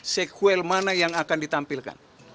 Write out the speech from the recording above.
sekuel mana yang akan ditampilkan